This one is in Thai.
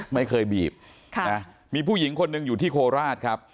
ไม่เคยบีบมีผู้หญิงคนหนึ่งอยู่ที่โคราชครับ